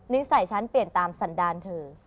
นิสัยฉันเปลี่ยนตามสันดาลเธอ